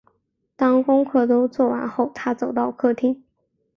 当功课都做完后，她走到客厅